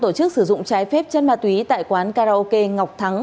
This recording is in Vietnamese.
công an tổ chức sử dụng trái phép chất ma túy tại quán karaoke ngọc thắng